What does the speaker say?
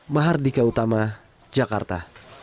mahardika utama jakarta